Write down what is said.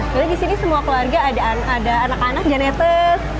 jadi di sini semua keluarga ada anak anak janetes